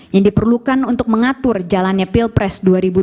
yang diperlukan untuk mengatur jalannya pilpres dua ribu dua puluh